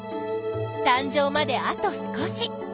たん生まであと少し。